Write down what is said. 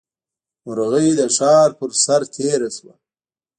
مرغۍ د ښار پر سر تېره شوه.